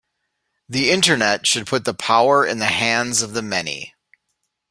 The Internet should put the power in the hands of the many.